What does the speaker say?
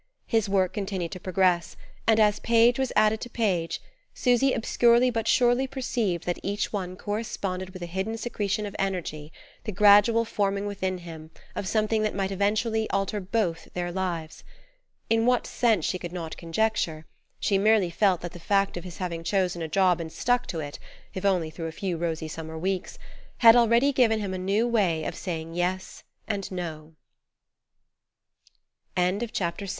His work continued to progress, and as page was added to page Susy obscurely but surely perceived that each one corresponded with a hidden secretion of energy, the gradual forming within him of something that might eventually alter both their lives. In what sense she could not conjecture: she merely felt that the fact of his having chosen a job and stuck to it, if only through a few rosy summer weeks, had already given him a new way of saying "Yes" and "No." VII. OF some new ferment at work in him N